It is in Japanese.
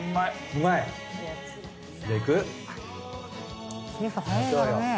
うまーい！